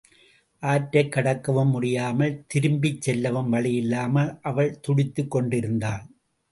ஆற்றைக் கடக்கவும் முடியாமல் திரும்பிச் செல்லவும் வழியில்லாமல் அவள் துடித்துக் கொண்டிருந்தாள்.